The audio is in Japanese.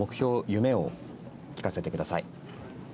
夢を聞かせてください。